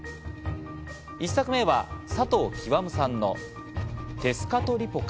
１作目は佐藤究さんの『テスカトリポカ』。